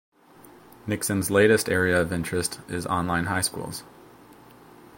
Nixon's latest area of interest is online high schools.